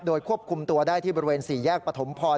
ควบคุมตัวได้ที่บริเวณ๔แยกปฐมพร